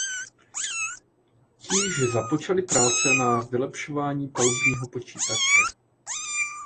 Ti již započali práce na vylepšování palubního počítače.